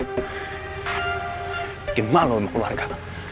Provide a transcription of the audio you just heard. bikin malu emak keluarga